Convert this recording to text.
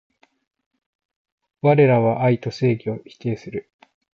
われらは愛と正義を否定する